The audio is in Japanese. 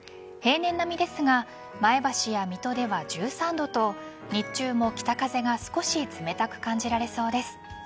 平年並みですが前橋や水戸では１３度と日中も北風が少し冷たく感じられそうです。